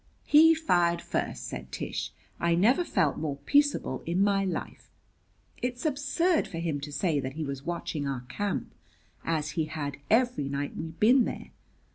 "He fired first," said Tish. "I never felt more peaceable in my life. It's absurd for him to say that he was watching our camp, as he had every night we'd been there.